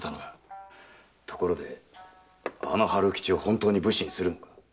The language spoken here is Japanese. ところで春吉を本当に武士にするのか？